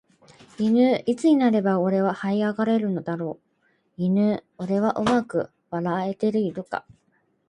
いぬーいつになれば俺は這い上がれるだろういぬー俺はうまく笑えているか